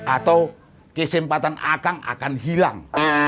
atau kesempatan akang akan hilang